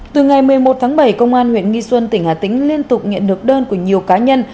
từ ngày một mươi một tháng bảy công an huyện nghi xuân tỉnh hà tĩnh liên tục nhận được đơn của nhiều cá nhân